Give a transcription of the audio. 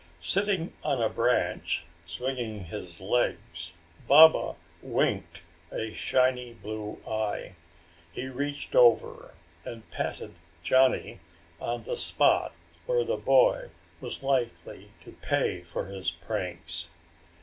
Sitting on a branch swinging his legs, Baba winked a shiny blue eye. He reached over and patted Johnny on the spot where the boy was likely to pay for his pranks.